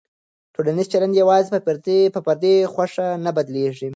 ټولنیز چلند یوازې په فردي خوښه نه بدلېږي.